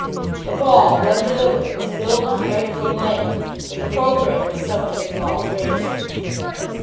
The ball, when delivered, was billed to break from leg, but the programme was subject to alterations.